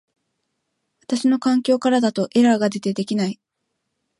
私の環境からだとエラーが出て出来ない